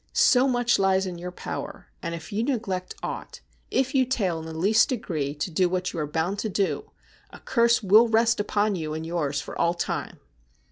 So much lies in your power, and if you neglect aught, if you tail in the least degree to do what you are bound to do, a curse will rest upon you and yours for all time.'